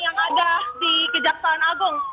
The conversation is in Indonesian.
sehingga barulah dilakukan evakuasi dari dalam gedung